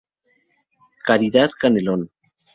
Caridad Canelón